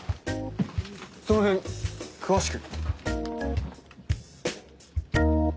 そのへん詳しく。